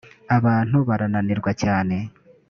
abantu barananirwa cyane